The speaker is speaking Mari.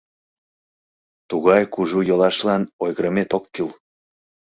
Тугай кужу йолашлан ойгырымет ок кӱл.